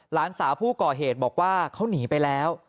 หลานสาวผู้ก่อเหตุบอกว่าเขาหนีไปแล้ว